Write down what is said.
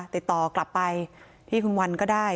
ติดต่อกลับไปที่คุณวันก็ได้